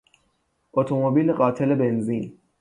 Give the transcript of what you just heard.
اتومبیل قاتل بنزین